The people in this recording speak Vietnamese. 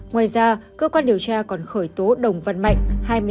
ngoài ra cơ quan điều tra còn khởi tố đồng văn mạnh